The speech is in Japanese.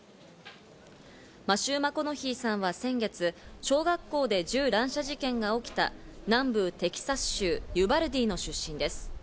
マシュー・マコノヒーさんは先月、小学校で銃乱射事件が起きた南部テキサス州ユバルディの出身です。